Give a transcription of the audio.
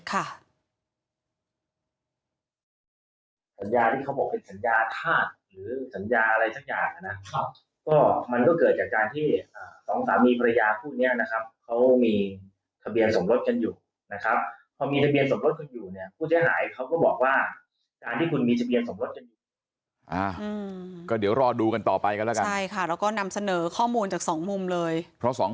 ก็มันก็เกิดจากการสองสามีภรรยาคู่เนี่ยนะครับเขามีทะเบียนสมรสกันอยู่นะครับเพราะมี